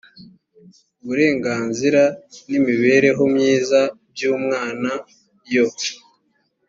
uburenganzira n imibereho myiza by umwana yo